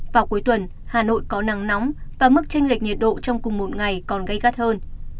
vào cuối tuần hà nội có nắng nóng và mức tranh lệch nhiệt độ trong cùng một ngày còn gây gắt hơn